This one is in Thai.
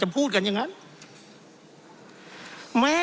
เพราะเรามี๕ชั่วโมงครับท่านนึง